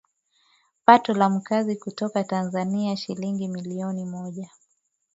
pato la Mkazi kutoka Tanzania shilingi milioni moja